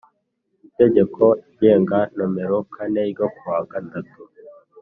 Itegeko ngenga nomero kane ryo ku wa gatatu